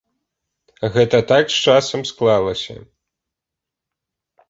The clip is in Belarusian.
Гэта так з часам склалася.